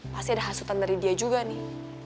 pasti ada hasutan dari dia juga nih